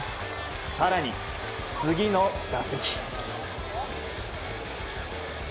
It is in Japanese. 更に、次の打席。